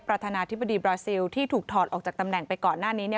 ประธานาธิบดีบราซิลที่ถูกถอดออกจากตำแหน่งไปก่อนหน้านี้